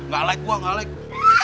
gak like wah gak like